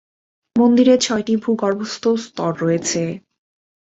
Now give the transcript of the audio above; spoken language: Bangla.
মন্দিরে ছয়টি ভূগর্ভস্থ স্তর রয়েছে।